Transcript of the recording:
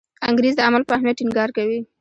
انګریز د عمل په اهمیت ټینګار کوي.